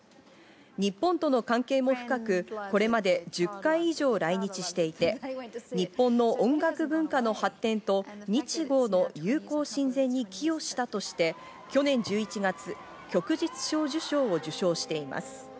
日本との関係も深く、これまで１０回以上来日していて、日本の音楽文化の発展と日豪の友好親善に寄与したとして、去年１１月、旭日小綬章を受章しています。